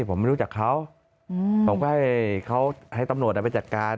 ผมไม่รู้จักเขาอืมเพราะผมก็ให้เขาให้ตำหนวดให้พิจักรการ